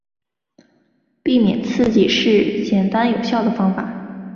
避免刺激是简单有效的方法。